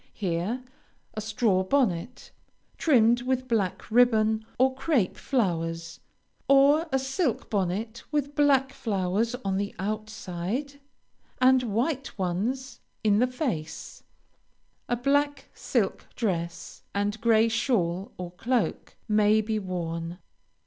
Here a straw bonnet, trimmed with black ribbon or crape flowers, or a silk bonnet with black flowers on the outside, and white ones in the face, a black silk dress, and gray shawl or cloak, may be worn.